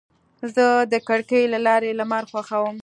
زه د کړکۍ له لارې لمر خوښوم.